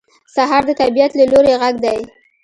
سهار د طبیعت له لوري غږ دی.